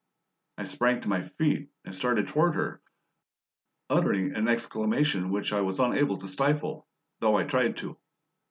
I sprang to my feet and started toward her, uttering an exclamation which I was unable to stifle, though I tried to.